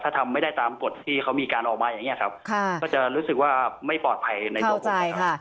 ถ้าทำไม่ได้ตามกฎที่เขามีการออกมาอย่างนี้ครับก็จะรู้สึกว่าไม่ปลอดภัยในตัวผม